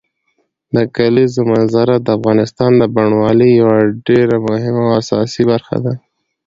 د کلیزو منظره د افغانستان د بڼوالۍ یوه ډېره مهمه او اساسي برخه ده.